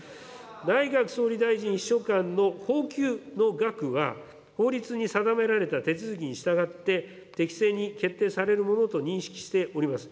内閣総理大臣秘書官の俸給の額は、法律に定められた手続きに従って、適正に決定されるものと認識しております。